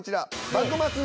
「幕末の」